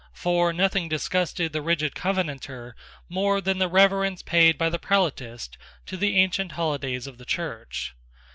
For nothing disgusted the rigid Covenanter more than the reverence paid by the prelatist to the ancient holidays of the Church.